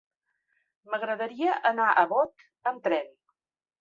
M'agradaria anar a Bot amb tren.